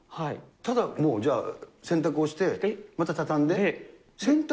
ただもう、じゃあ、洗濯をして、また畳んで？